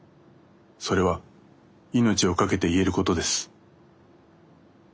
それは命をかけて言えることです」。